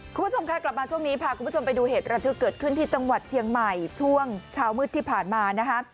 คุณผู้ชมค่ะกลับมาช่วงนี้พาคุณผู้ชมไปดูเหตุระทึกเกิดขึ้นที่จังหวัดเชียงใหม่ช่วงเช้ามืดที่ผ่านมานะคะ